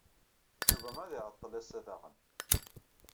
Yuba ad iɛeṭṭel ass-a daɣen.